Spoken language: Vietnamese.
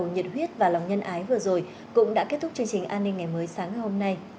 các bác sĩ trẻ nhận huyết và lòng nhân ái vừa rồi cũng đã kết thúc chương trình an ninh ngày mới sáng ngày hôm nay